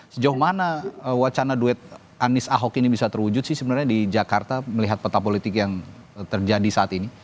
sejauh mana wacana duet anies ahok ini bisa terwujud sih sebenarnya di jakarta melihat peta politik yang terjadi saat ini